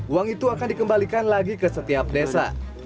uang itu akan dikembalikan lagi ke setiap desa